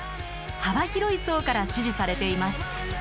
幅広い層から支持されています。